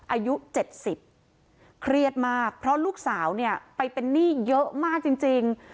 อายุ๗๐เครียดมากเพราะลูกสาวเนี่ยไปเป็นหนี้เยอะมากจริง